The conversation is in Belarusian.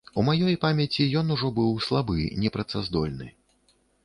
У маёй памяці ён ужо быў слабы, непрацаздольны.